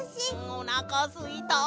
おなかすいた！